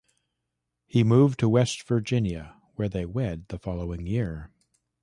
He moved to West Virginia, where they wed the following year.